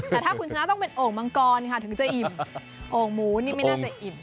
แต่ถ้าคุณชนะต้องเป็นโอ่งมังกรค่ะถึงจะอิ่มโอ่งหมูนี่ไม่น่าจะอิ่ม